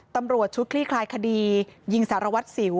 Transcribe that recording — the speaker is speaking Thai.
ตำรวจชุดคลี่คลายคดียิงสารวัตรสิว